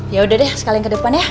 yaudah deh sekalian kedepan ya